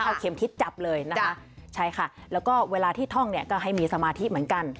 เอาเข็มทิศจับเลยนะคะใช่ค่ะแล้วก็เวลาที่ท่องเนี่ยก็ให้มีสมาธิเหมือนกัน